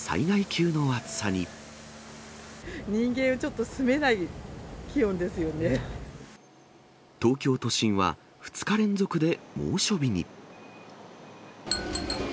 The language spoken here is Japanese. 人間がちょっと住めない気温東京都心は２日連続で猛暑日に。